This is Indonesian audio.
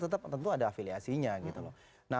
tetap tentu ada afiliasinya gitu loh nah